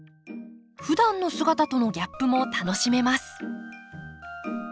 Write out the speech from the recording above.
ふだんの姿とのギャップも楽しめます。